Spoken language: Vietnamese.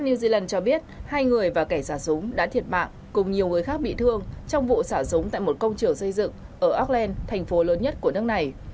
new zealand cho biết hai người và kẻ xả súng đã thiệt mạng cùng nhiều người khác bị thương trong vụ xả súng tại một công trường xây dựng ở auckland thành phố lớn nhất của nước này